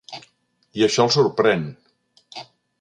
I això el sorprèn.